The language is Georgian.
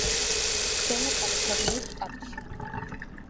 ქვემო კალიფორნიის შტატში.